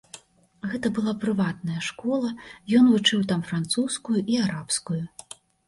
Гэта была прыватная школа, ён вучыў там французскую і арабскую.